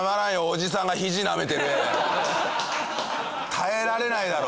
耐えられないだろ